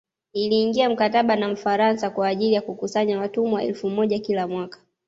Aliingia mkataba na mfaransa kwa ajili ya kukusanya watumwa elfu moja kila mwaka